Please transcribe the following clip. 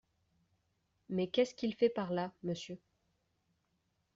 Mais qu’est-ce qu’il fait par là, Monsieur ?